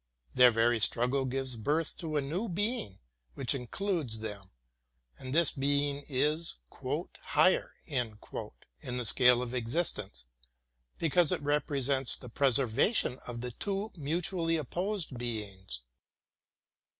Their very struggle gives birth to a new being which includes them, and this being is "higher" in the scale of existence, because it represents the preserva tion of two mutually opposed beings.